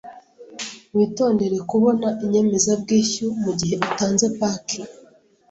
Witondere kubona inyemezabwishyu mugihe utanze paki.